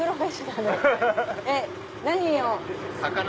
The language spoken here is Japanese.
えっ何を？